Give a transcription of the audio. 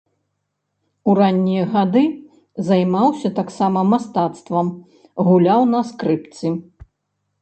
У раннія гады займаўся таксама мастацтвам, гуляў на скрыпцы.